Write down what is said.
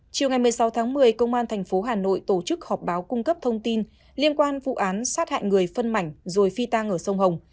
chiều ngày một mươi sáu tháng một mươi công an tp hà nội tổ chức họp báo cung cấp thông tin liên quan vụ án sát hại người phân mảnh rồi phi tang ở sông hồng